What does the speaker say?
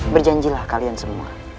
berjanjilah kalian semua